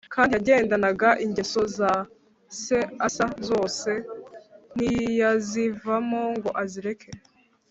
Kandi yagendanaga ingeso za se Asa zose ntiyazivamo ngo azireke